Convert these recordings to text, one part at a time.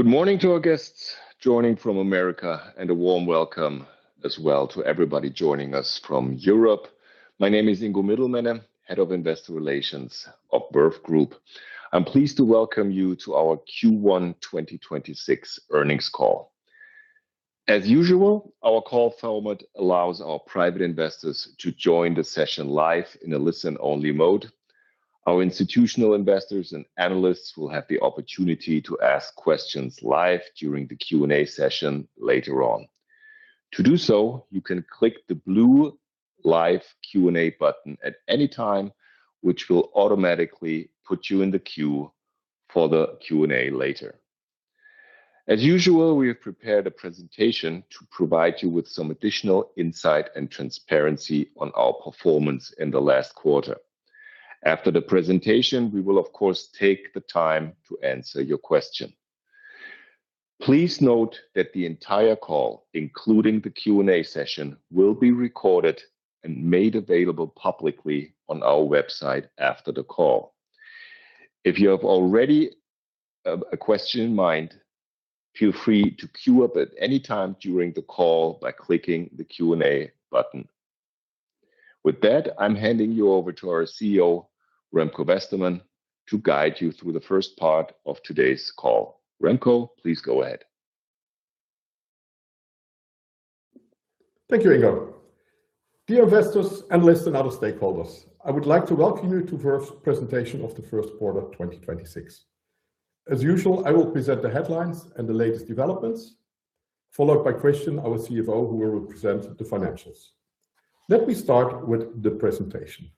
Good morning to our guests joining from America, and a warm welcome as well to everybody joining us from Europe. My name is Ingo Middelmenne, Head of Investor Relations of Verve Group. I am pleased to welcome you to our Q1 2026 earnings call. As usual, our call format allows our private investors to join the session live in a listen-only mode. Our institutional investors and analysts will have the opportunity to ask questions live during the Q&A session later on. To do so, you can click the blue live Q&A button at any time, which will automatically put you in the queue for the Q&A later. As usual, we have prepared a presentation to provide you with some additional insight and transparency on our performance in the last quarter. After the presentation, we will of course take the time to answer your question. Please note that the entire call, including the Q&A session, will be recorded and made available publicly on our website after the call. If you have already a question in mind, feel free to queue up at any time during the call by clicking the Q&A button. I'm handing you over to our CEO, Remco Westermann, to guide you through the first part of today's call. Remco, please go ahead. Thank you, Ingo. Dear investors, analysts, and other stakeholders, I would like to welcome you to Verve's presentation of the first quarter of 2026. As usual, I will present the headlines and the latest developments, followed by Christian, our CFO, who will present the financials. Let me start with the presentation.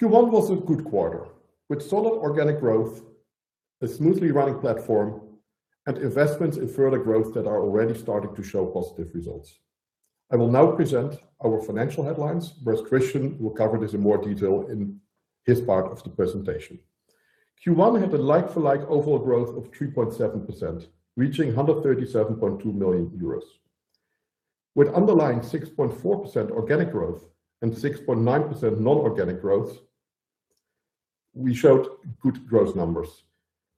Q1 was a good quarter, with solid organic growth, a smoothly running platform, and investments in further growth that are already starting to show positive results. I will now present our financial headlines, whereas Christian will cover this in more detail in his part of the presentation. Q1 had a like-for-like overall growth of 3.7%, reaching 137.2 million euros. With underlying 6.4% organic growth and 6.9% non-organic growth, we showed good growth numbers.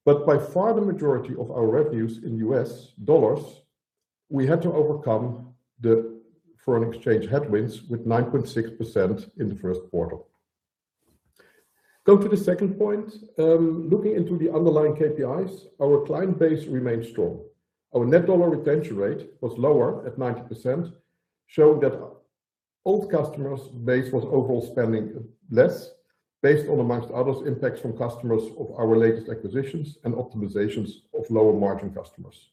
By far the majority of our revenues in US dollars, we had to overcome the foreign exchange headwinds with 9.6% in the first quarter. Go to the second point. Looking into the underlying KPIs, our client base remained strong. Our net dollar retention rate was lower at 90%, showing that old customers base was overall spending less, based on amongst others impacts from customers of our latest acquisitions and optimizations of lower margin customers.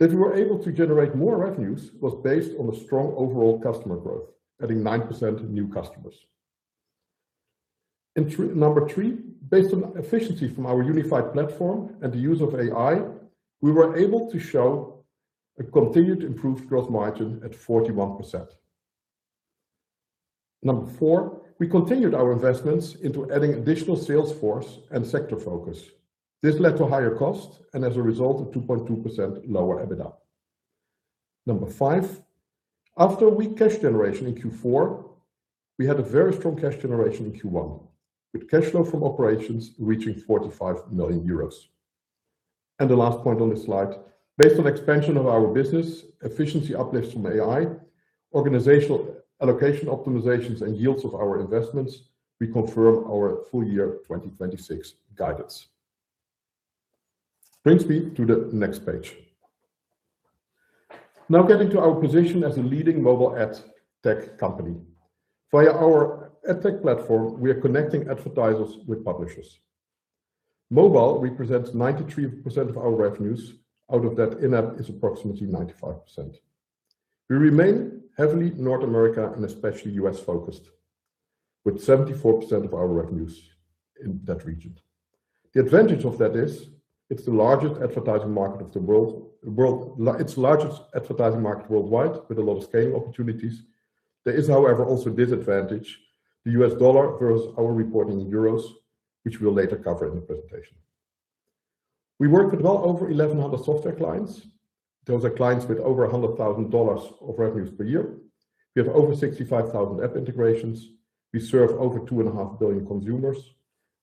That we were able to generate more revenues was based on a strong overall customer growth, adding 9% new customers. In number three, based on efficiency from our unified platform and the use of AI, we were able to show a continued improved gross margin at 41%. Number four, we continued our investments into adding additional sales force and sector focus. This led to higher cost and as a result, a 2.2% lower EBITDA. Number five, after a weak cash generation in Q4, we had a very strong cash generation in Q1, with cash flow from operations reaching 45 million euros. The last point on this slide, based on expansion of our business, efficiency uplifts from AI, organizational allocation optimizations, and yields of our investments, we confirm our full year 2026 guidance. Brings me to the next page. Getting to our position as a leading mobile AdTech company. Via our AdTech platform, we are connecting advertisers with publishers. Mobile represents 93% of our revenues. Out of that, in-app is approximately 95%. We remain heavily North America and especially U.S.-focused, with 74% of our revenues in that region. The advantage of that is, it's the largest advertising market worldwide, with a lot of scale opportunities. There is, however, also a disadvantage: the US dollar versus our reporting in euros, which we'll later cover in the presentation. We work with well over 1,100 software clients. Those are clients with over $100,000 of revenues per year. We have over 65,000 app integrations. We serve over 2.5 billion consumers.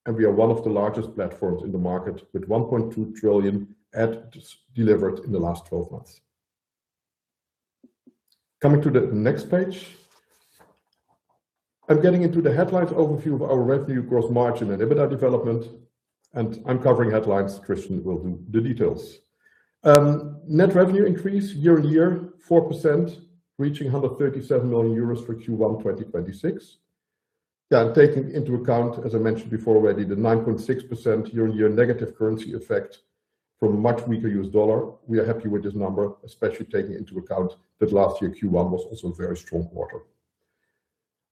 We are one of the largest platforms in the market with 1.2 trillion ads delivered in the last 12 months. Coming to the next page. I'm getting into the headlines overview of our revenue growth margin and EBITDA development, and I'm covering headlines, Christian will do the details. Net revenue increase year-on-year, 4%, reaching 137 million euros for Q1 2026. That taking into account, as I mentioned before already, the 9.6% year-on-year negative currency effect from much weaker US dollar. We are happy with this number, especially taking into account that last year Q1 was also a very strong quarter.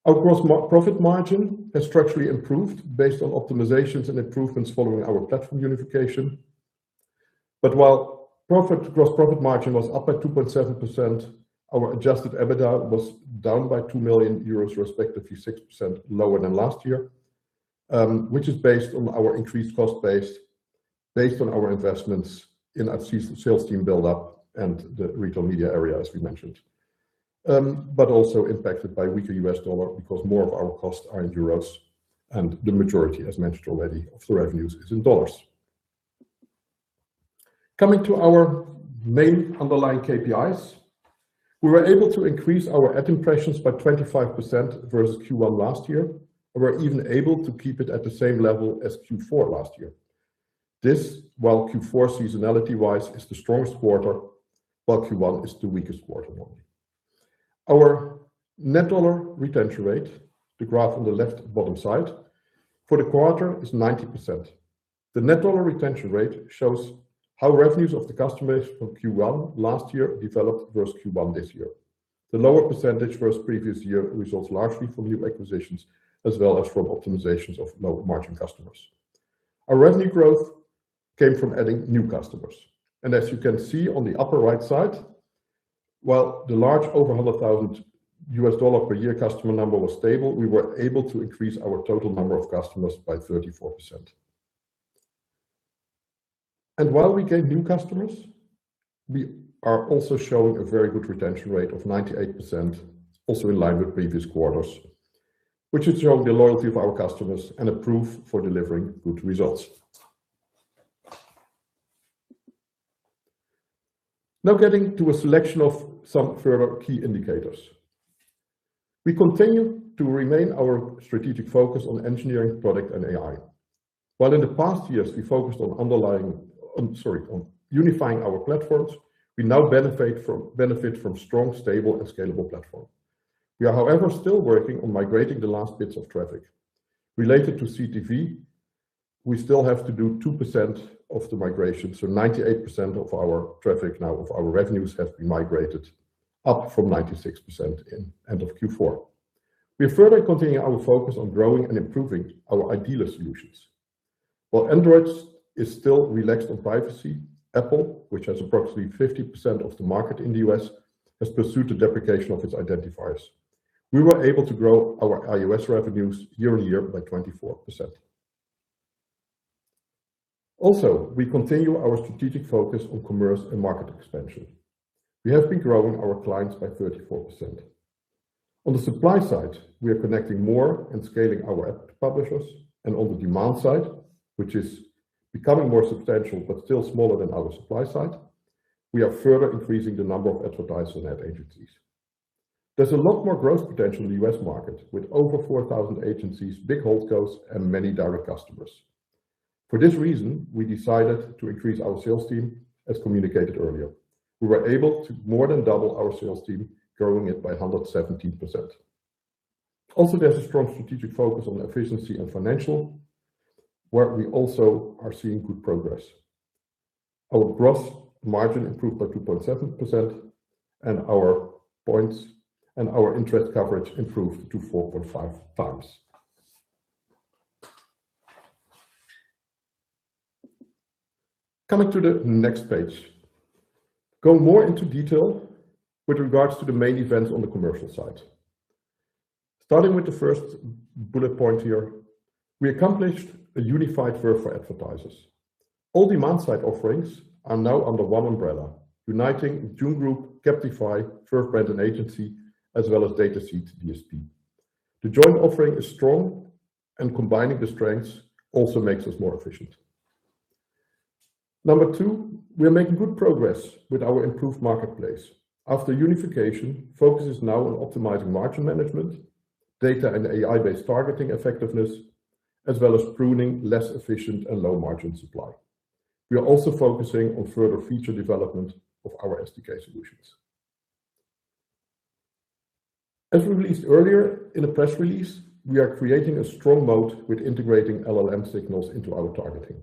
Our gross profit margin has structurally improved based on optimizations and improvements following our platform unification. While gross profit margin was up by 2.7%, our adjusted EBITDA was down by 2 million euros, respectively 6% lower than last year, which is based on our increased cost base, based on our investments in our sales team buildup and the retail media area, as we mentioned. Also impacted by weaker U.S. dollar because more of our costs are in Euros and the majority, as mentioned already, of the revenues is in U.S. dollars. Coming to our main underlying KPIs. We were able to increase our ad impressions by 25% versus Q1 last year. We were even able to keep it at the same level as Q4 last year. This, while Q4 seasonality-wise, is the strongest quarter, while Q1 is the weakest quarter normally. Our net dollar retention rate, the graph on the left bottom side, for the quarter is 90%. The net dollar retention rate shows how revenues of the customers from Q1 last year developed versus Q1 this year. The lower percentage versus previous year results largely from new acquisitions as well as from optimizations of low-margin customers. Our revenue growth came from adding new customers. As you can see on the upper right side, while the large over $100,000 per year customer number was stable, we were able to increase our total number of customers by 34%. While we gain new customers, we are also showing a very good retention rate of 98%, also in line with previous quarters, which has shown the loyalty of our customers and a proof for delivering good results. Getting to a selection of some further key indicators. We continue to remain our strategic focus on engineering, product and AI. While in the past years, we focused on unifying our platforms, we now benefit from strong, stable and scalable platform. We are, however, still working on migrating the last bits of traffic. Related to CTV, we still have to do 2% of the migration, so 98% of our traffic now, of our revenues, have been migrated, up from 96% in end of Q4. We are further continuing our focus on growing and improving our ID-less solutions. While Android is still relaxed on privacy, Apple, which has approximately 50% of the market in the U.S., has pursued the deprecation of its identifiers. We were able to grow our iOS revenues year on year by 24%. Also, we continue our strategic focus on commerce and market expansion. We have been growing our clients by 34%. On the supply side, we are connecting more and scaling our app to publishers, and on the demand side, which is becoming more substantial but still smaller than our supply side, we are further increasing the number of advertisers and ad agencies. There's a lot more growth potential in the U.S. market with over 4,000 agencies, big holdcos, and many direct customers. For this reason, we decided to increase our sales team, as communicated earlier. We were able to more than double our sales team, growing it by 117%. There's a strong strategic focus on efficiency and financial, where we also are seeing good progress. Our gross margin improved by 2.7% and our interest coverage improved to 4.5x. Coming to the next page. Go more into detail with regards to the main events on the commercial side. Starting with the first bullet point here, we accomplished a unified Verve for advertisers. All demand side offerings are now under one umbrella, uniting Jun Group, Captify, Verve Brand & Agency, as well as Dataseat DSP. The joint offering is strong and combining the strengths also makes us more efficient. Number two, we are making good progress with our improved marketplace. After unification, focus is now on optimizing margin management, data and AI-based targeting effectiveness, as well as pruning less efficient and low-margin supply. We are also focusing on further feature development of our SDK solutions. As we released earlier in a press release, we are creating a strong moat with integrating LLM signals into our targeting.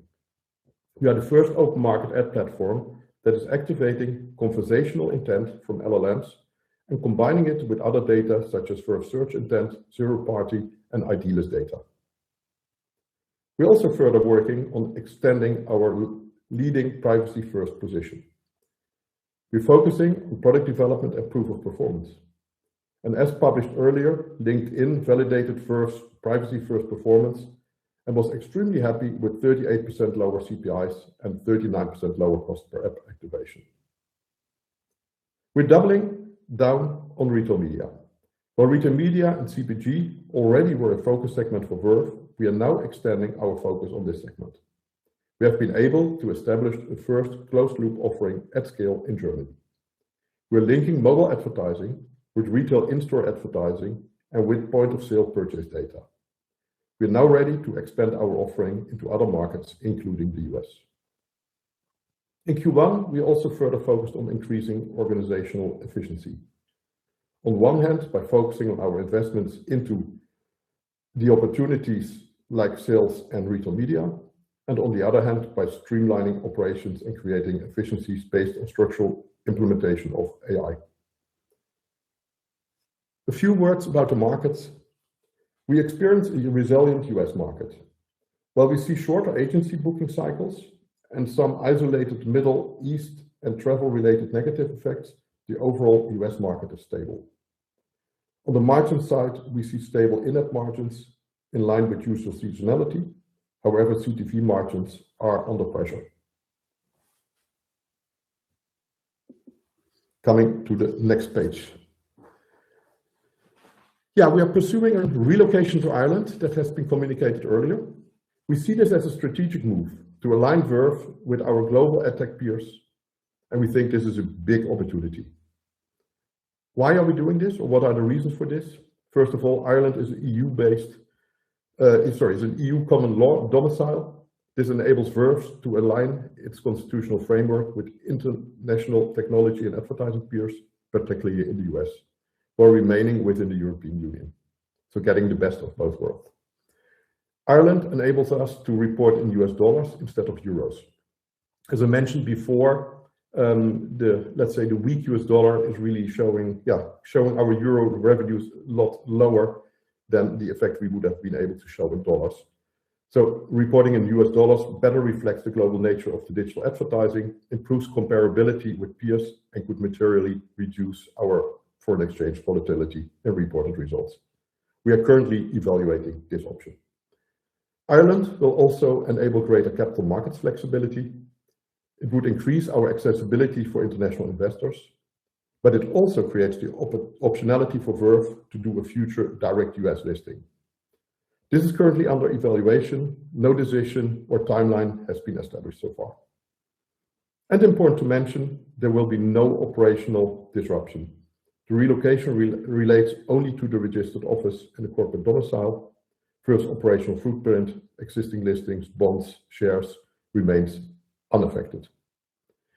We are the first open market ad platform that is activating conversational intent from LLMs and combining it with other data such as Verve search intent, zero-party, and ID-less data. We're also further working on extending our leading privacy-first position. We're focusing on product development and proof of performance. As published earlier, LinkedIn validated Verve's privacy-first performance and was extremely happy with 38% lower CPIs and 39% lower cost per app activation. We're doubling down on retail media. Retail media and CPG already were a focus segment for Verve, we are now expanding our focus on this segment. We have been able to establish a Verve closed loop offering at scale in Germany. We're linking mobile advertising with retail in-store advertising and with point-of-sale purchase data. We are now ready to expand our offering into other markets, including the U.S. In Q1, we also further focused on increasing organizational efficiency. On one hand, by focusing on our investments into the opportunities like sales and retail media, and on the other hand, by streamlining operations and creating efficiencies based on structural implementation of AI. A few words about the markets. We experienced a resilient U.S. market. While we see shorter agency booking cycles and some isolated Middle East and travel-related negative effects, the overall U.S. market is stable. On the margin side, we see stable in-app margins in line with user seasonality. However, CTV margins are under pressure. Coming to the next page. We are pursuing a relocation to Ireland that has been communicated earlier. We see this as a strategic move to align Verve with our global tech peers. We think this is a big opportunity. Why are we doing this? What are the reasons for this? First of all, Ireland is an EU common law domicile. This enables Verve to align its constitutional framework with international technology and advertising peers, particularly in the U.S., while remaining within the European Union. Getting the best of both worlds. Ireland enables us to report in U.S. dollars instead of Euros. As I mentioned before, let's say the weak U.S. dollar is really showing our Euro revenues a lot lower than the effect we would have been able to show in U.S. dollars. Reporting in U.S. dollars better reflects the global nature of the digital advertising, improves comparability with peers, and could materially reduce our foreign exchange volatility and reported results. We are currently evaluating this option. Ireland will also enable greater capital markets flexibility. It would increase our accessibility for international investors, but it also creates the optionality for Verve to do a future direct U.S. listing. This is currently under evaluation. No decision or timeline has been established so far. Important to mention, there will be no operational disruption. The relocation relates only to the registered office and the corporate domicile. Verve's operational footprint, existing listings, bonds, shares, remains unaffected.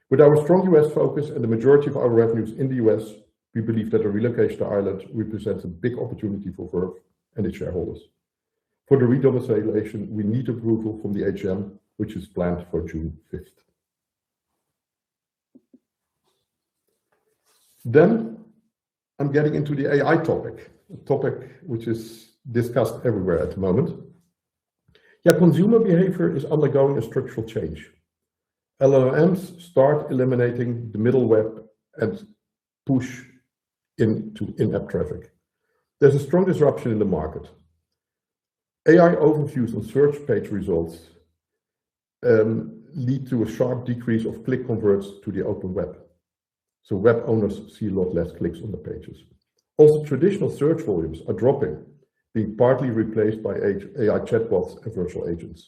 With our strong U.S. focus and the majority of our revenues in the U.S., we believe that a relocation to Ireland represents a big opportunity for Verve and its shareholders. For the re-domiciliation, we need approval from the AGM, which is planned for June 5th. I'm getting into the AI topic. A topic which is discussed everywhere at the moment. Consumer behavior is undergoing a structural change. LLMs start eliminating the middle web and push into in-app traffic. There's a strong disruption in the market. AI overviews and search page results lead to a sharp decrease of click converts to the open web. Web owners see a lot less clicks on the pages. Also, traditional search volumes are dropping, being partly replaced by AI chatbots and virtual agents.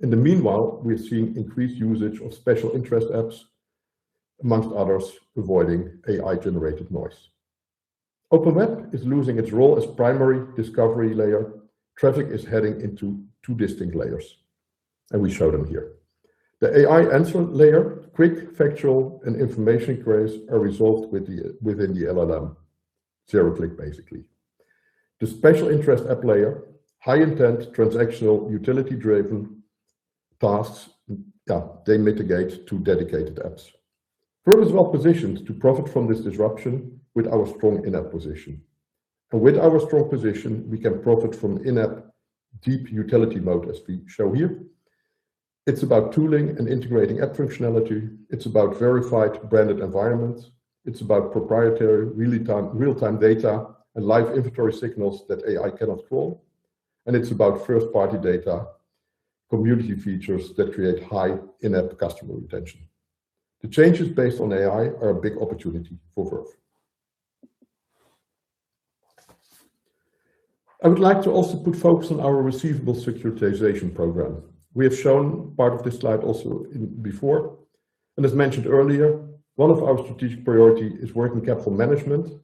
In the meanwhile, we're seeing increased usage of special interest apps, amongst others, avoiding AI-generated noise. Open Web is losing its role as primary discovery layer. Traffic is heading into two distinct layers, we show them here. The AI answer layer, quick factual and information queries are resolved within the LLM. Zero click, basically. The special interest app layer, high intent, transactional, utility driven tasks, they mitigate to dedicated apps. Verve is well-positioned to profit from this disruption with our strong in-app position. With our strong position, we can profit from in-app deep utility mode, as we show here. It's about tooling and integrating app functionality. It's about verified, branded environments. It's about proprietary, real-time data and live inventory signals that AI cannot crawl. It's about first-party data, community features that create high in-app customer retention. The changes based on AI are a big opportunity for Verve. I would like to also put focus on our receivable securitization program. We have shown part of this slide also before, and as mentioned earlier, one of our strategic priority is working capital management.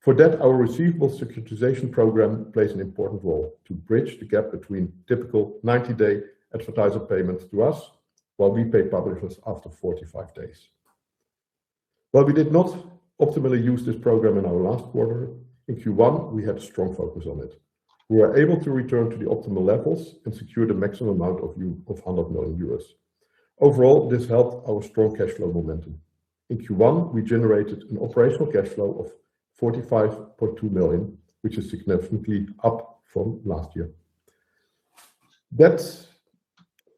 For that, our receivable securitization program plays an important role to bridge the gap between typical 90-day advertiser payments to us, while we pay publishers after 45 days. While we did not optimally use this program in our last quarter, in Q1, we had strong focus on it. We were able to return to the optimal levels and secure the maximum amount of 100 million euros. Overall, this helped our strong cash flow momentum. In Q1, we generated an operational cash flow of 45.2 million, which is significantly up from last year. That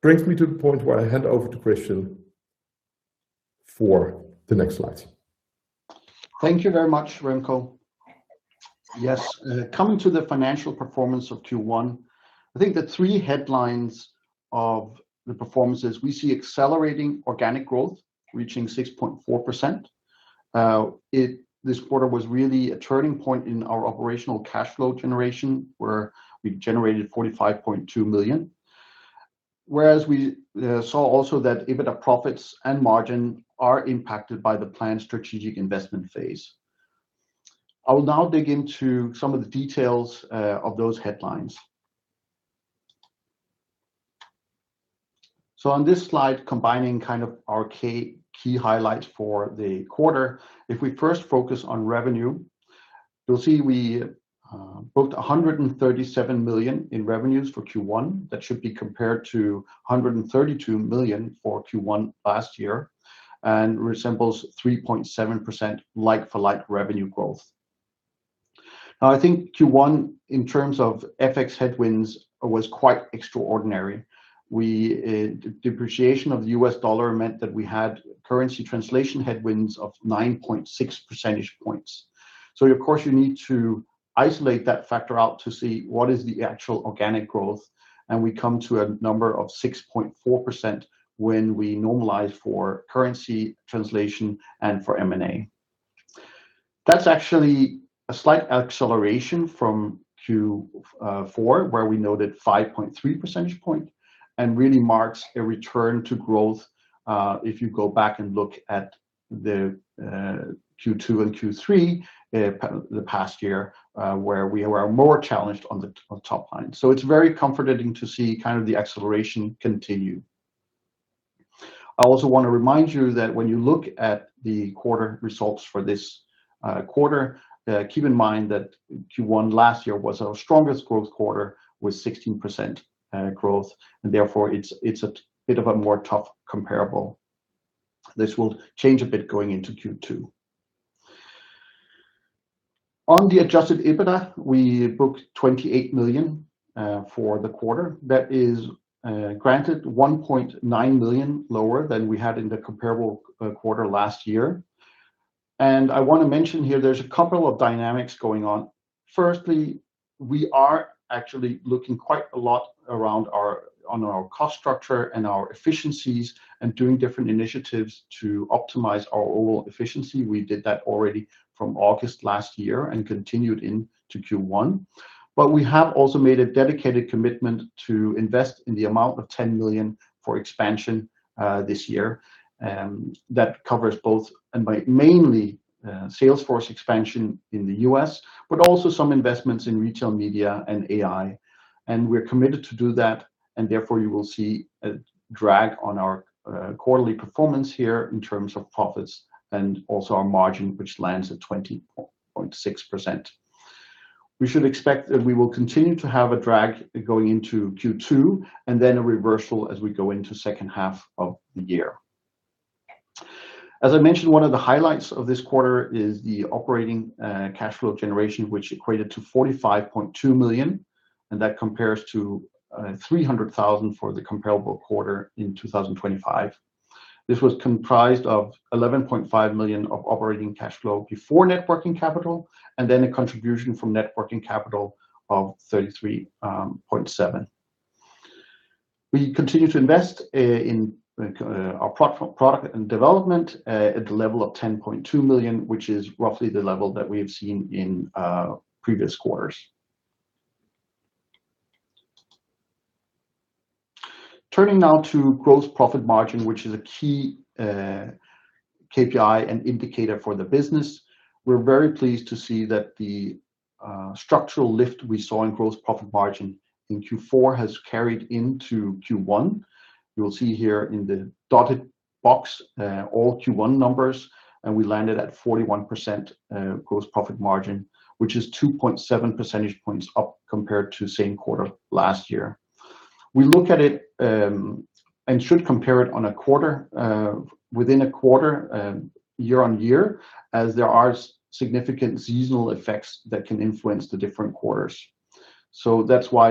brings me to the point where I hand over to Christian for the next slides. Thank you very much, Remco. Yes, coming to the financial performance of Q1, I think the three headlines of the performance is we see accelerating organic growth reaching 6.4%. This quarter was really a turning point in our operational cash flow generation, where we generated 45.2 million. Whereas we saw also that EBITDA profits and margin are impacted by the planned strategic investment phase. I will now dig into some of the details of those headlines. On this slide, combining our key highlights for the quarter. If we first focus on revenue, you'll see we booked 137 million in revenues for Q1. That should be compared to 132 million for Q1 last year and resembles 3.7% like-for-like revenue growth. I think Q1, in terms of FX headwinds, was quite extraordinary. The depreciation of the US dollar meant that we had currency translation headwinds of 9.6 percentage points. Of course, you need to isolate that factor out to see what is the actual organic growth, and we come to a number of 6.4% when we normalize for currency translation and for M&A. That's actually a slight acceleration from Q4, where we noted 5.3 percentage point and really marks a return to growth, if you go back and look at the Q2 and Q3 the past year, where we were more challenged on the top line. It's very comforting to see the acceleration continue. I also want to remind you that when you look at the quarter results for this quarter, keep in mind that Q1 last year was our strongest growth quarter with 16% growth, and therefore it's a bit of a more tough comparable. This will change a bit going into Q2. On the adjusted EBITDA, we booked 28 million for the quarter. That is, granted, 1.9 million lower than we had in the comparable quarter last year. I want to mention here, there's a couple of dynamics going on. Firstly, we are actually looking quite a lot on our cost structure and our efficiencies and doing different initiatives to optimize our overall efficiency. We did that already from August last year and continued into Q1. We have also made a dedicated commitment to invest in the amount of 10 million for expansion this year. That covers both, and by mainly sales force expansion in the U.S., but also some investments in retail media and AI. We're committed to do that, and therefore you will see a drag on our quarterly performance here in terms of profits and also our margin, which lands at 20.6%. We should expect that we will continue to have a drag going into Q2 and then a reversal as we go into second half of the year. As I mentioned, one of the highlights of this quarter is the operating cash flow generation, which equated to 45.2 million, and that compares to 300,000 for the comparable quarter in 2025. This was comprised of 11.5 million of operating cash flow before net working capital, and then a contribution from net working capital of 33.7 million. We continue to invest in our product and development at the level of 10.2 million, which is roughly the level that we have seen in previous quarters. Turning now to gross profit margin, which is a key KPI and indicator for the business. We're very pleased to see that the structural lift we saw in gross profit margin in Q4 has carried into Q1. You will see here in the dotted box all Q1 numbers, and we landed at 41% gross profit margin, which is 2.7 percentage points up compared to same quarter last year. We look at it, and should compare it within a quarter year-on-year, as there are significant seasonal effects that can influence the different quarters. That's why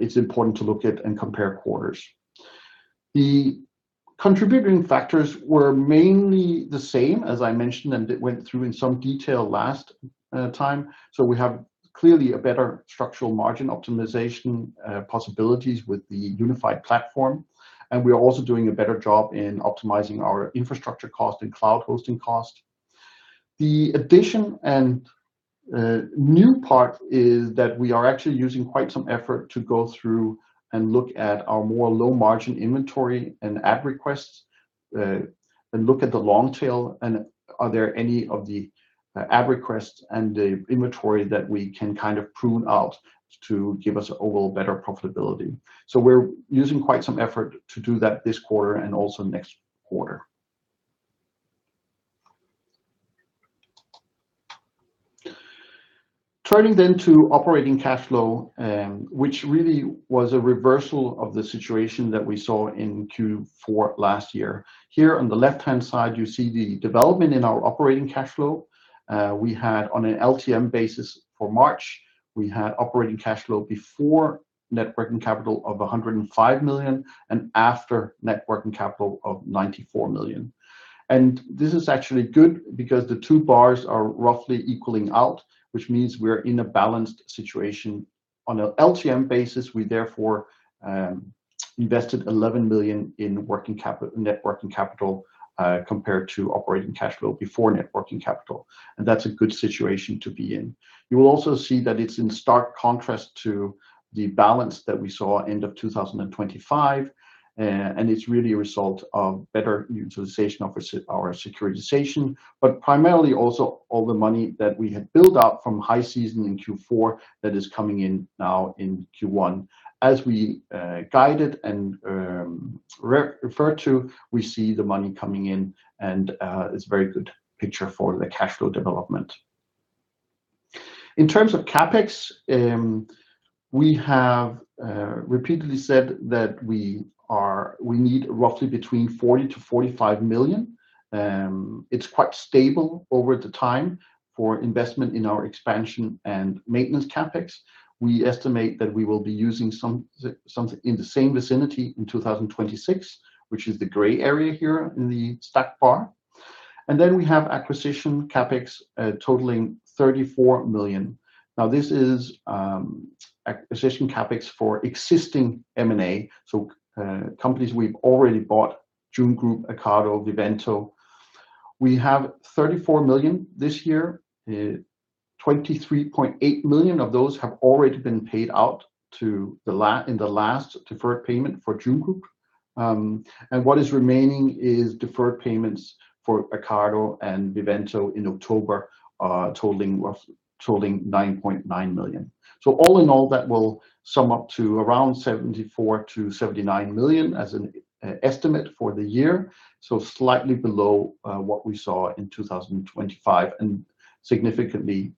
it's important to look at and compare quarters. The contributing factors were mainly the same as I mentioned, and it went through in some detail last time. We have clearly a better structural margin optimization possibilities with the unified platform, and we are also doing a better job in optimizing our infrastructure cost and cloud hosting cost. The addition and new part is that we are actually using quite some effort to go through and look at our more low-margin inventory and ad requests, and look at the long tail and are there any of the ad requests and the inventory that we can kind of prune out to give us overall better profitability. We're using quite some effort to do that this quarter and also next quarter. Turning to operating cash flow, which really was a reversal of the situation that we saw in Q4 last year. Here on the left-hand side, you see the development in our operating cash flow. We had on an LTM basis for March, we had operating cash flow before net working capital of 105 million and after net working capital of 94 million. This is actually good because the two bars are roughly equaling out, which means we are in a balanced situation. On a LTM basis, we therefore invested 11 million in net working capital, compared to operating cash flow before net working capital. That is a good situation to be in. You will also see that it is in stark contrast to the balance that we saw end of 2025, and it is really a result of better utilization of our securitization, but primarily also all the money that we had built up from high season in Q4 that is coming in now in Q1. As we guided and referred to, we see the money coming in and it is very good picture for the cash flow development. In terms of CapEx, we have repeatedly said that we need roughly between 40 million-45 million. It's quite stable over the time for investment in our expansion and maintenance CapEx. We estimate that we will be using something in the same vicinity in 2026, which is the gray area here in the stacked bar. Then we have acquisition CapEx totaling 34 million. Now, this is acquisition CapEx for existing M&A, so companies we've already bought, Jun Group, acardo, Viventor. We have 34 million this year. 23.8 million of those have already been paid out in the last deferred payment for Jun Group. What is remaining is deferred payments for acardo and Viventor in October, totaling 9.9 million. All in all, that will sum up to around 74 million-79 million as an estimate for the year. Slightly below what we saw in 2025, and significantly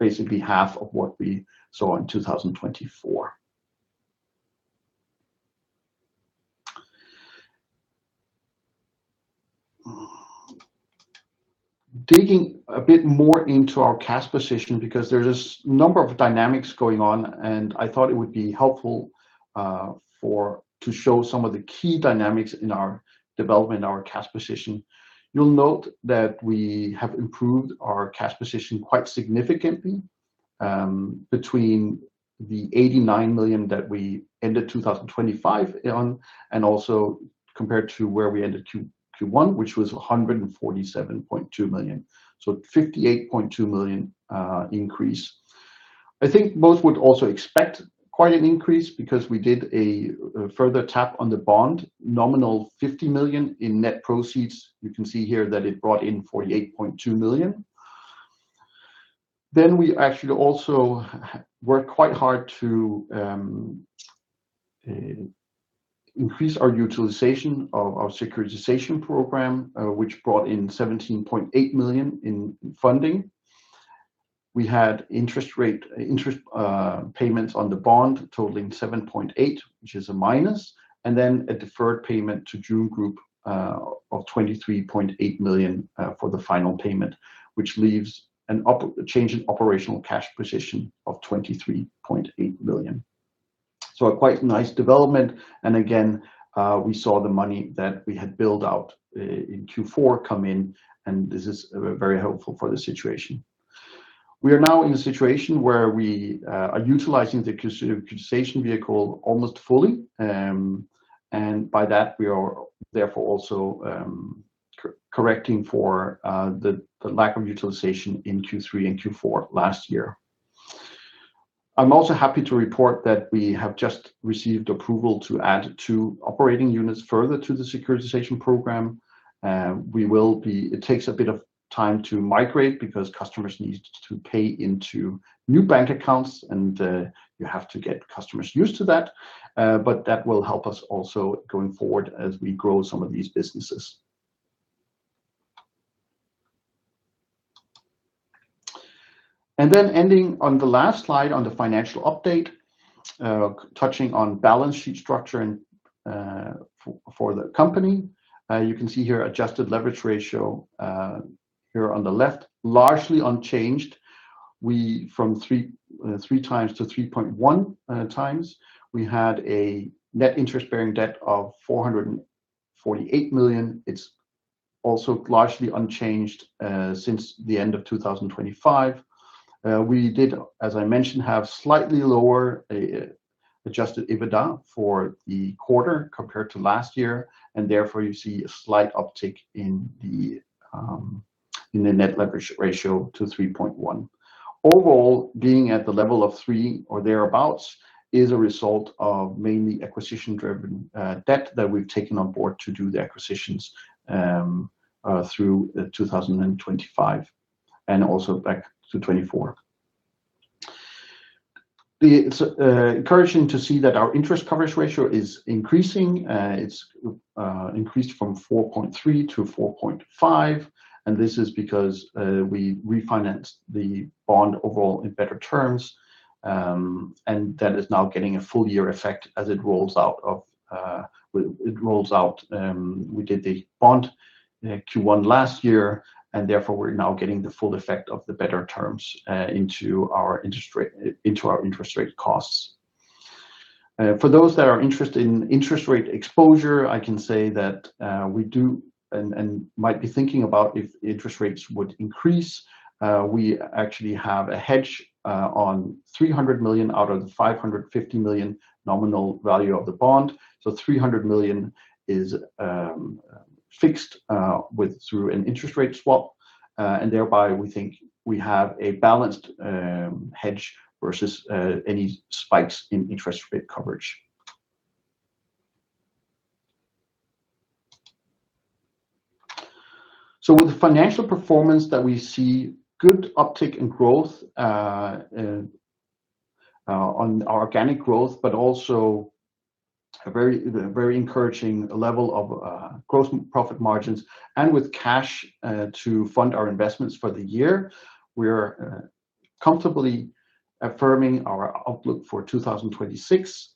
basically half of what we saw in 2024. Digging a bit more into our cash position, because there is this number of dynamics going on, and I thought it would be helpful to show some of the key dynamics in our development, our cash position. You will note that we have improved our cash position quite significantly, between the 89 million that we ended 2025 on, and also compared to where we ended Q1, which was 147.2 million. 58.2 million increase. I think most would also expect quite an increase because we did a further tap on the bond, nominal 50 million in net proceeds. You can see here that it brought in 48.2 million. We actually also worked quite hard to increase our utilization of our securitization program, which brought in 17.8 million in funding. We had interest payments on the bond totaling 7.8, which is a minus, and then a deferred payment to Jun Group of 23.8 million for the final payment, which leaves a change in operational cash position of 23.8 million. A quite nice development, and again, we saw the money that we had built out in Q4 come in, and this is very helpful for the situation. We are now in a situation where we are utilizing the securitization vehicle almost fully. By that, we are therefore also correcting for the lack of utilization in Q3 and Q4 last year. I'm also happy to report that we have just received approval to add two operating units further to the securitization program. It takes a bit of time to migrate because customers need to pay into new bank accounts, and you have to get customers used to that. That will help us also going forward as we grow some of these businesses. Then ending on the last slide on the financial update, touching on balance sheet structure for the company. You can see here adjusted leverage ratio, here on the left, largely unchanged from 3x to 3.1x. We had a net interest-bearing debt of 448 million. It is also largely unchanged since the end of 2025. We did, as I mentioned, have slightly lower adjusted EBITDA for the quarter compared to last year, and therefore you see a slight uptick in the net leverage ratio to 3.1x. Overall, being at the level of three or thereabouts is a result of mainly acquisition-driven debt that we have taken on board to do the acquisitions through 2025, and also back to 2024. It is encouraging to see that our interest coverage ratio is increasing. It's increased from 4.3x to 4.5x, and this is because we refinanced the bond overall in better terms, and that is now getting a full-year effect as it rolls out. We did the bond Q1 last year, and therefore we're now getting the full effect of the better terms into our interest rate costs. For those that are interested in interest rate exposure, I can say that we do and might be thinking about if interest rates would increase. We actually have a hedge on 300 million out of the 550 million nominal value of the bond. 300 million is fixed through an interest rate swap. Thereby, we think we have a balanced hedge versus any spikes in interest rate coverage. With the financial performance that we see, good uptick in growth on organic growth, but also a very encouraging level of gross profit margins. With cash to fund our investments for the year, we're comfortably affirming our outlook for 2026.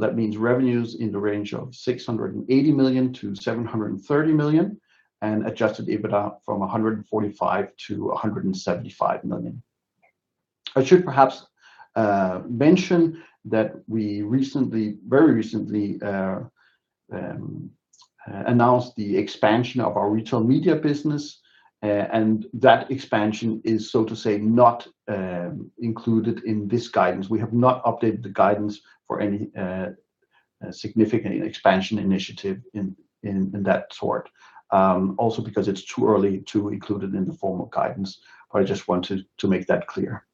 That means revenues in the range of 680 million-730 million, and adjusted EBITDA from 145 million-175 million. I should perhaps mention that we very recently announced the expansion of our retail media business, and that expansion is, so to say, not included in this guidance. We have not updated the guidance for any a significant expansion initiative in that sort. Because it's too early to include it in the formal guidance, but I just wanted to make that clear.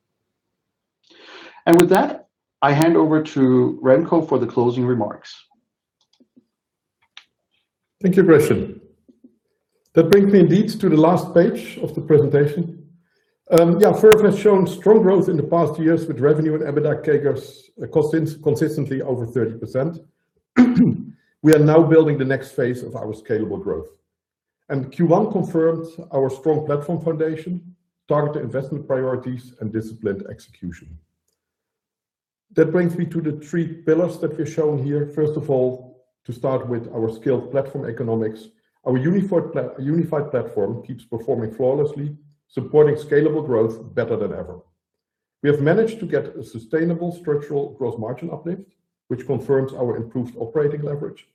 With that, I hand over to Remco for the closing remarks. Thank you, Christian. That brings me indeed to the last page of the presentation. Yeah, Verve has shown strong growth in the past years with revenue and EBITDA CAGRs consistently over 30%. We are now building the next phase of our scalable growth. Q1 confirms our strong platform foundation, targeted investment priorities, and disciplined execution. That brings me to the three pillars that we've shown here. First of all, to start with our scaled platform economics. Our unified platform keeps performing flawlessly, supporting scalable growth better than ever. We have managed to get a sustainable structural gross margin uplift, which confirms our improved operating leverage,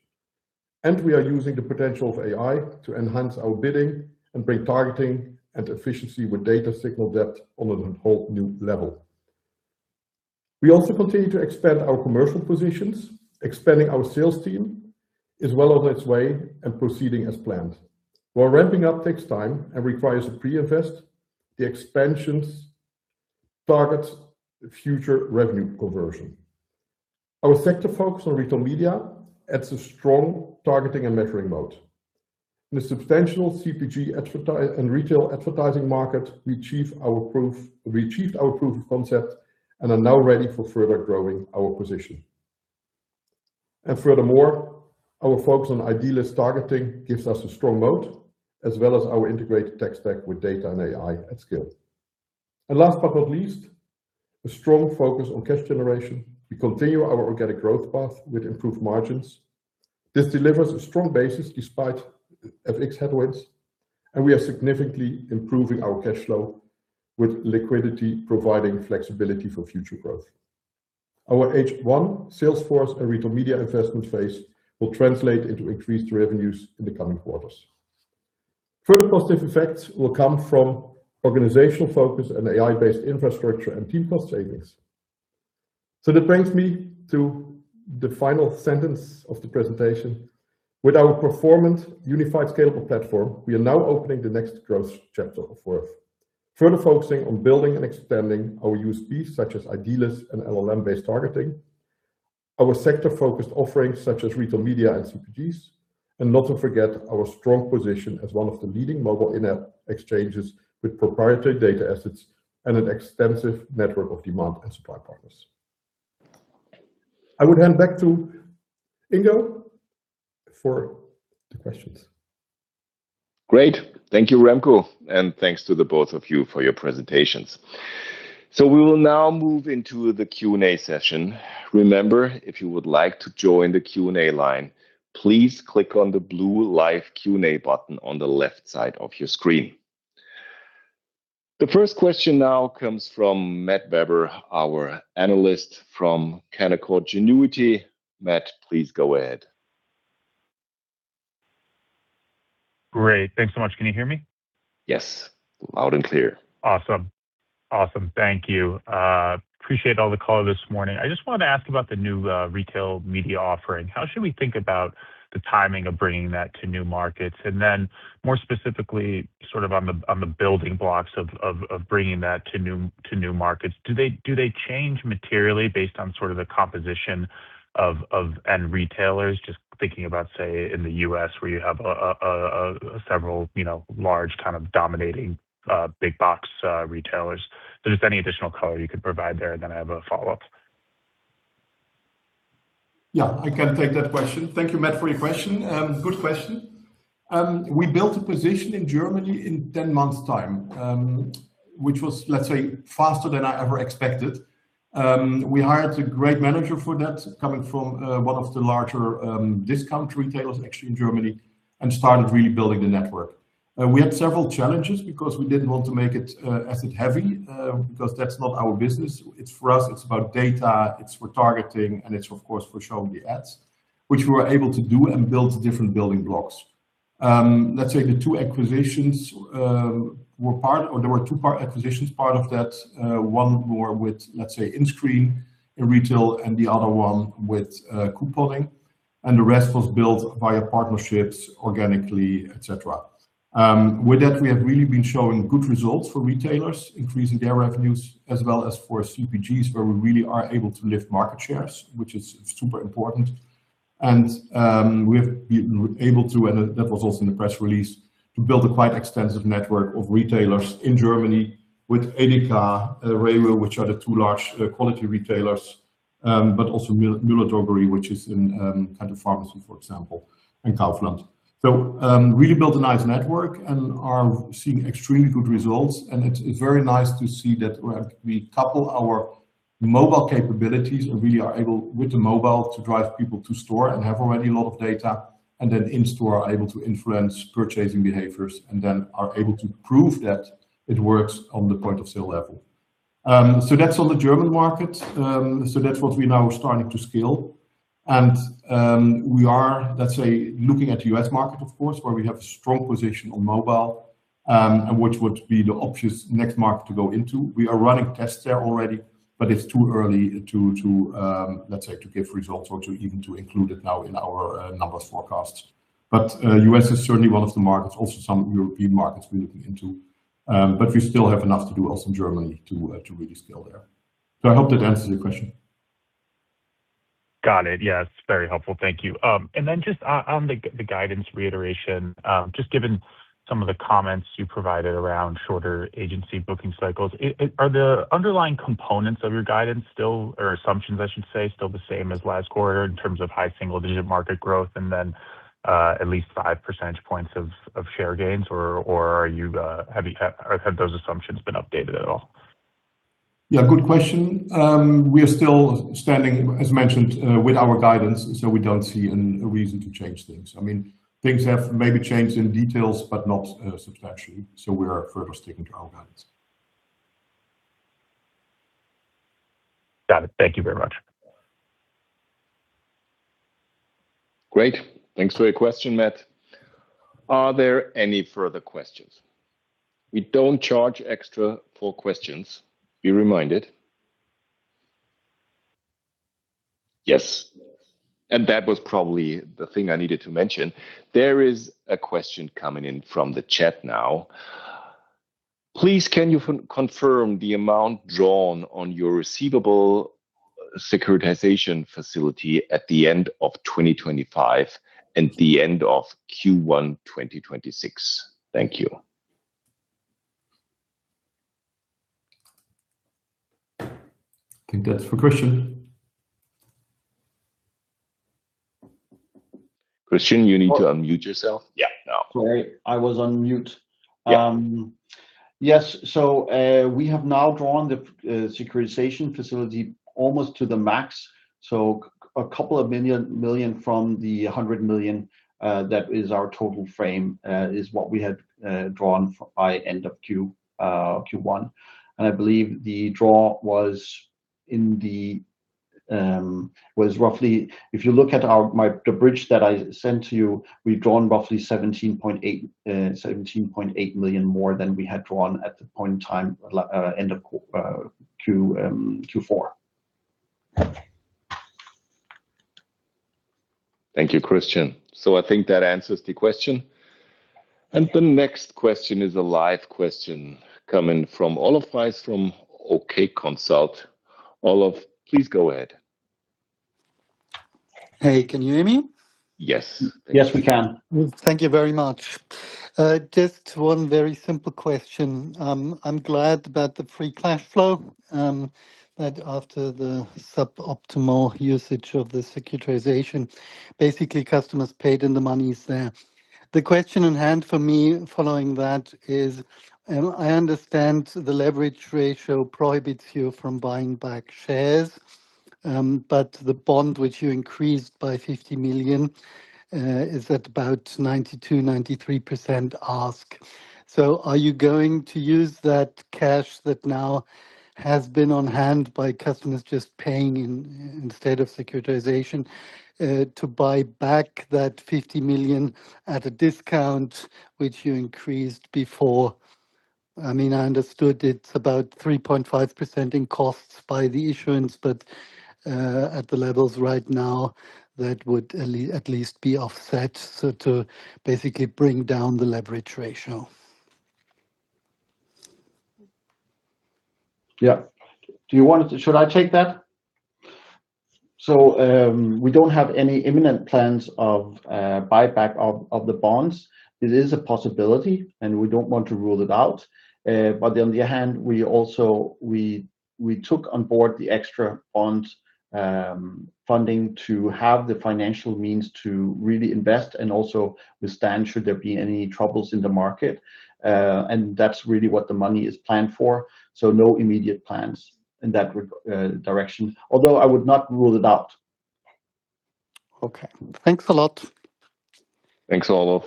and we are using the potential of AI to enhance our bidding and bring targeting and efficiency with data signal depth on a whole new level. We also continue to expand our commercial positions. Expanding our sales team is well on its way and proceeding as planned. While ramping up takes time and requires a pre-invest, the expansions target future revenue conversion. Our sector focus on retail media adds a strong targeting and measuring mode. In the substantial CPG and retail advertising market, we achieved our proof of concept and are now ready for further growing our position. Furthermore, our focus on ID-less targeting gives us a strong mode, as well as our integrated tech stack with data and AI at scale. Last but not least, a strong focus on cash generation. We continue our organic growth path with improved margins. This delivers a strong basis despite FX headwinds. We are significantly improving our cash flow, with liquidity providing flexibility for future growth. Our H1 Salesforce and retail media investment phase will translate into increased revenues in the coming quarters. Further positive effects will come from organizational focus and AI-based infrastructure and team cost savings. That brings me to the final sentence of the presentation. With our performant unified scalable platform, we are now opening the next growth chapter for Verve. Further focusing on building and extending our USPs such as ID-less and LLM-based targeting, our sector-focused offerings such as retail media and CPGs, and not to forget our strong position as one of the leading mobile in-app exchanges with proprietary data assets and an extensive network of demand and supply partners. I would hand back to Ingo for the questions. Great. Thank you, Remco, and thanks to the both of you for your presentations. We will now move into the Q&A session. Remember, if you would like to join the Q&A line, please click on the blue live Q&A button on the left side of your screen. The first question now comes from Matt Kebel, our analyst from Canaccord Genuity. Matt, please go ahead. Great. Thanks so much. Can you hear me? Yes. Loud and clear. Awesome. Thank you. Appreciate all the call this morning. I just wanted to ask about the new retail media offering. How should we think about the timing of bringing that to new markets? Then more specifically, sort of on the building blocks of bringing that to new markets, do they change materially based on sort of the composition of end retailers? Just thinking about, say, in the U.S. where you have several large kind of dominating big box retailers. Just any additional color you could provide there, and then I have a follow-up. Yeah, I can take that question. Thank you, Matt, for your question. Good question. We built a position in Germany in 10 months' time, which was, let's say, faster than I ever expected. We hired a great manager for that, coming from one of the larger discount retailers, actually, in Germany, and started really building the network. We had several challenges because we didn't want to make it asset heavy, because that's not our business. For us, it's about data, it's for targeting, and it's of course for showing the ads, which we were able to do and build different building blocks. Let's say the two acquisitions were part, or there were two part acquisitions, part of that. One more with, let's say, in-screen retail and the other one with couponing, and the rest was built via partnerships organically, et cetera. With that, we have really been showing good results for retailers, increasing their revenues as well as for CPGs, where we really are able to lift market shares, which is super important. We've been able to, and that was also in the press release, to build a quite extensive network of retailers in Germany with EDEKA, REWE, which are the two large quality retailers, but also Müller Drogerie, which is in kind of pharmacy, for example, and Kaufland. Really built a nice network and are seeing extremely good results, and it's very nice to see that we couple our mobile capabilities and really are able with the mobile to drive people to store and have already a lot of data, and then in-store are able to influence purchasing behaviors, and then are able to prove that it works on the point of sale level. That's on the German market. That's what we now are starting to scale. We are, let's say, looking at U.S. market, of course, where we have strong position on mobile, which would be the obvious next market to go into. We are running tests there already, but it's too early to, let's say, to give results or to even to include it now in our numbers forecasts. U.S. is certainly one of the markets, also some European markets we're looking into. We still have enough to do else in Germany to really scale there. I hope that answers your question. Got it. Yeah, it's very helpful. Thank you. Just on the guidance reiteration, just given some of the comments you provided around shorter agency booking cycles, are the underlying components of your guidance still, or assumptions I should say, still the same as last quarter in terms of high single-digit market growth and then at least five percentage points of share gains? Have those assumptions been updated at all? Yeah, good question. We are still standing, as mentioned, with our guidance, so we don't see any reason to change things. Things have maybe changed in details, but not substantially. We are further sticking to our guidance. Got it. Thank you very much. Great. Thanks for your question, Matt. Are there any further questions? We don't charge extra for questions, be reminded. Yes. That was probably the thing I needed to mention. There is a question coming in from the chat now. Please, can you confirm the amount drawn on your receivable securitization facility at the end of 2025 and the end of Q1 2026? Thank you. I think that's for Christian. Christian, you need to unmute yourself. Yeah, now. Sorry, I was on mute. Yeah. Yes. We have now drawn the securitization facility almost to the max. A couple of million EUR from the 100 million, that is our total frame, is what we had drawn by end of Q1. I believe the draw was roughly, if you look at the bridge that I sent to you, we've drawn roughly 17.8 million more than we had drawn at the point in time end of Q4. Thank you, Christian. I think that answers the question. The next question is a live question coming from Olav Weiss from OK Consult. Olav, please go ahead. Hey, can you hear me? Yes. Yes, we can. Thank you very much. Just one very simple question. I'm glad about the free cash flow, that after the suboptimal usage of the securitization, basically customers paid and the money is there. The question on hand for me following that is, I understand the leverage ratio prohibits you from buying back shares. The bond which you increased by 50 million is at about 92%-93% ask. Are you going to use that cash that now has been on hand by customers just paying instead of securitization, to buy back that 50 million at a discount which you increased before? I understood it's about 3.5% in costs by the issuance, but at the levels right now, that would at least be offset. To basically bring down the leverage ratio. Yeah. Should I take that? We don't have any imminent plans of buyback of the bonds. It is a possibility, and we don't want to rule it out. On the other hand, we took on board the extra bond funding to have the financial means to really invest and also withstand should there be any troubles in the market. That's really what the money is planned for. No immediate plans in that direction, although I would not rule it out. Okay. Thanks a lot. Thanks, Olav.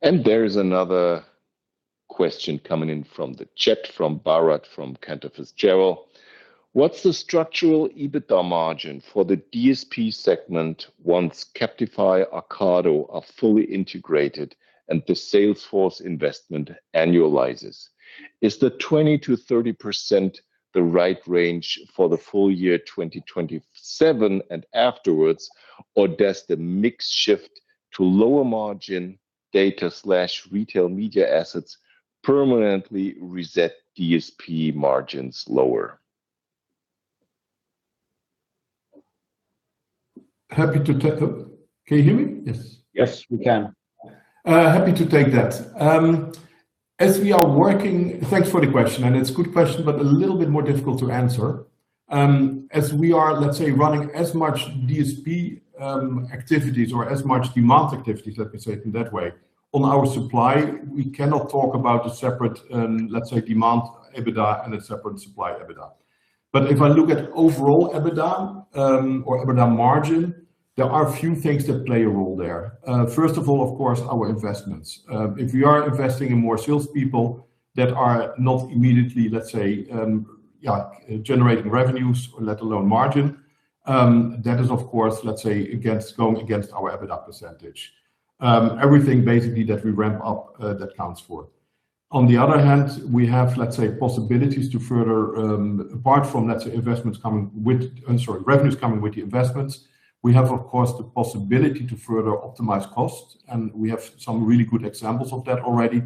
There is another question coming in from the chat from Bharat, from Cantor Fitzgerald. What's the structural EBITDA margin for the DSP segment once Captify, acardo are fully integrated and the Salesforce investment annualizes? Is the 20%-30% the right range for the full year 2027 and afterwards, or does the mix shift to lower margin data/retail media assets permanently reset DSP margins lower? Happy to take it. Can you hear me? Yes. Yes, we can. Happy to take that. Thanks for the question. It's a good question, a little bit more difficult to answer. As we are, let's say, running as much DSP activities or as much demand activities, let me say it in that way, on our supply, we cannot talk about a separate, let's say, demand EBITDA and a separate supply EBITDA. If I look at overall EBITDA, or EBITDA margin, there are a few things that play a role there. First of all, of course, our investments. If we are investing in more salespeople that are not immediately, let's say, generating revenues or let alone margin. That is, of course, let's say, going against our EBITDA percentage. Everything basically that we ramp up, that counts for. On the other hand, we have, let's say, Apart from, let's say, revenues coming with the investments, we have, of course, the possibility to further optimize costs, and we have some really good examples of that already.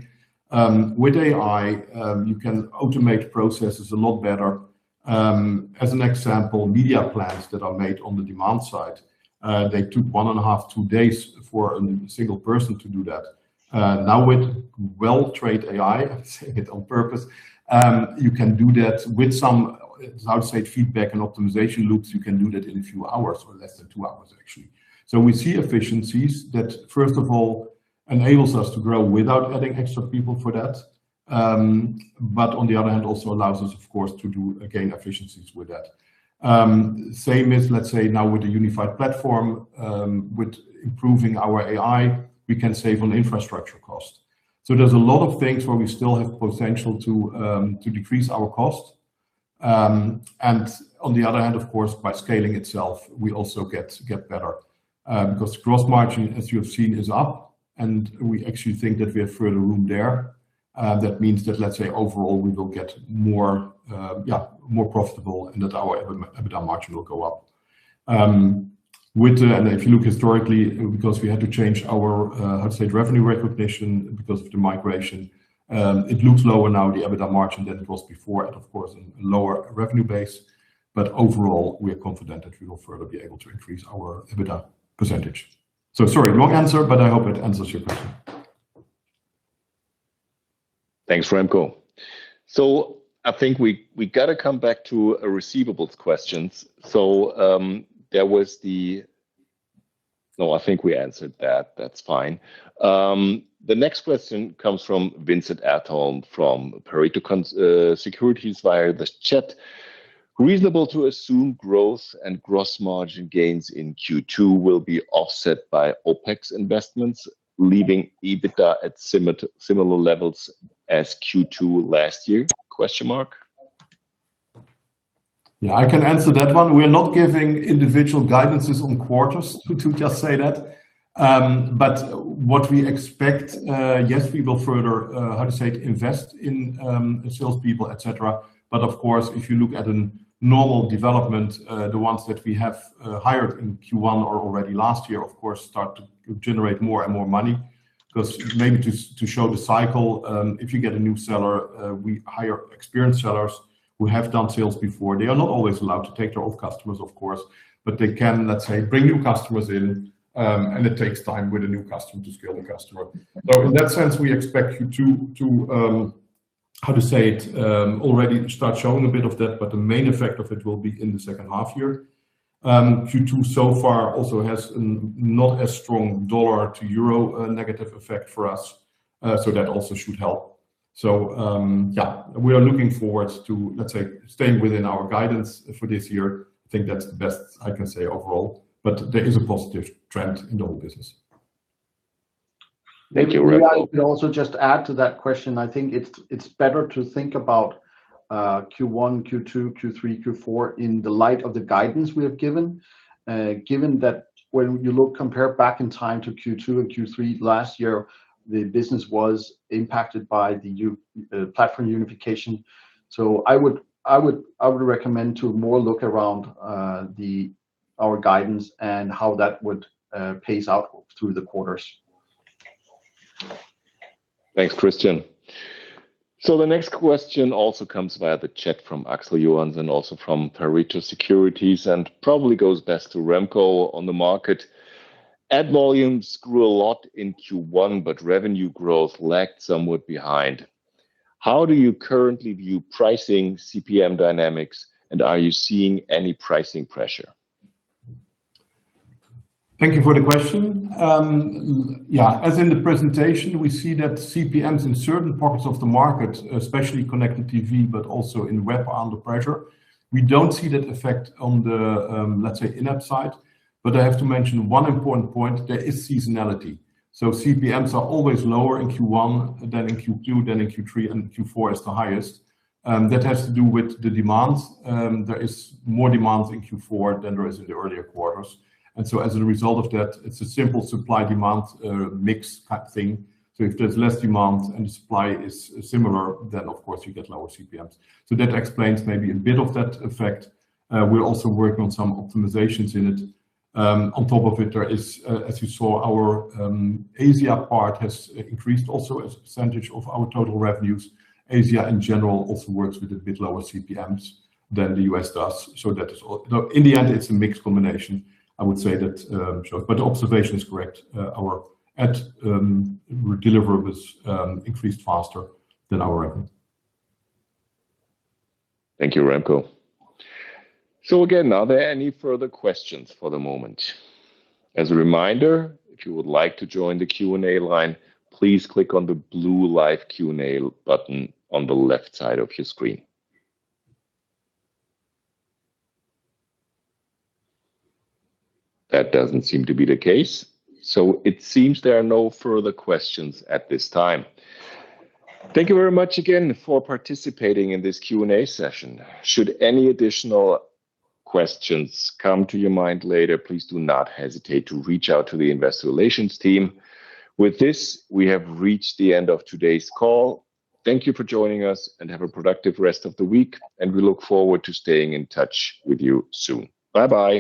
With AI, you can automate processes a lot better. As an example, media plans that are made on the demand side, they took one and a half, two days for a single person to do that. Now with WellTrade AI, I say it on purpose, you can do that with some outside feedback and optimization loops. You can do that in a few hours or less than two hours, actually. We see efficiencies that, first of all, enables us to grow without adding extra people for that. On the other hand, also allows us, of course, to do, again, efficiencies with that. Same as, let's say, now with the unified platform, with improving our AI, we can save on infrastructure costs. There's a lot of things where we still have potential to decrease our costs. On the other hand, of course, by scaling itself, we also get better. Gross margin, as you have seen, is up, and we actually think that we have further room there. That means that, let's say, overall, we will get more profitable and that our EBITDA margin will go up. If you look historically, because we had to change our, how to say, revenue recognition because of the migration, it looks lower now, the EBITDA margin, than it was before, and of course, in lower revenue base. Overall, we are confident that we will further be able to increase our EBITDA percetage. Sorry, long answer, but I hope it answers your question. Thanks, Remco. I think we got to come back to receivables questions. No, I think we answered that. That's fine. The next question comes from Vincent Edholm from Pareto Securities via the chat. "Reasonable to assume growth and gross margin gains in Q2 will be offset by OpEx investments, leaving EBITDA at similar levels as Q2 last year? Yeah, I can answer that one. We're not giving individual guidances on quarters to just say that. What we expect, yes, we will further, how to say, invest in salespeople, et cetera. Of course, if you look at a normal development, the ones that we have hired in Q1 or already last year, of course, start to generate more and more money. Maybe to show the cycle, if you get a new seller, we hire experienced sellers who have done sales before. They are not always allowed to take their old customers, of course, but they can, let's say, bring new customers in, and it takes time with a new customer to scale the customer. In that sense, we expect Q2 to, how to say it, already start showing a bit of that, but the main effect of it will be in the second half year. Q2 so far also has not as strong U.S. dollar to Euro negative effect for us. That also should help. Yeah, we are looking forward to, let's say, staying within our guidance for this year. I think that's the best I can say overall. There is a positive trend in the whole business. Thank you, Remco. If I could also just add to that question, I think it's better to think about Q1, Q2, Q3, Q4 in the light of the guidance we have given that when you compare back in time to Q2 and Q3 last year, the business was impacted by the platform unification. I would recommend to more look around our guidance and how that would pace out through the quarters. Thanks, Christian. The next question also comes via the chat from Axel Johanns and also from Pareto Securities and probably goes best to Remco on the market. "Ad volumes grew a lot in Q1, but revenue growth lagged somewhat behind. How do you currently view pricing CPM dynamics, and are you seeing any pricing pressure? Thank you for the question. Yeah. As in the presentation, we see that CPMs in certain parts of the market, especially connected TV, but also in web, are under pressure. We don't see that effect on the, let's say, in-app side. I have to mention one important point, there is seasonality. CPMs are always lower in Q1 than in Q2 than in Q3, and Q4 is the highest. That has to do with the demands. There is more demands in Q4 than there is in the earlier quarters. As a result of that, it's a simple supply-demand mix type thing. If there's less demand and supply is similar, then of course you get lower CPMs. That explains maybe a bit of that effect. We're also working on some optimizations in it. On top of it, as you saw, our Asia part has increased also as a percentage of our total revenues. Asia in general also works with a bit lower CPMs than the U.S. does. In the end, it's a mixed combination, I would say that. Observation is correct. Our ad delivery was increased faster than our revenue. Thank you, Remco. Again, are there any further questions for the moment? As a reminder, if you would like to join the Q&A line, please click on the blue live Q&A button on the left side of your screen. That doesn't seem to be the case. It seems there are no further questions at this time. Thank you very much again for participating in this Q&A session. Should any additional questions come to your mind later, please do not hesitate to reach out to the investor relations team. With this, we have reached the end of today's call. Thank you for joining us, and have a productive rest of the week, and we look forward to staying in touch with you soon. Bye-bye.